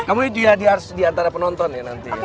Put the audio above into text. kamu juga diantara penonton ya nanti